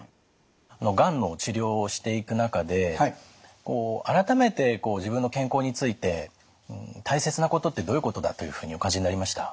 がんの治療をしていく中で改めて自分の健康について大切なことってどういうことだというふうにお感じになりました？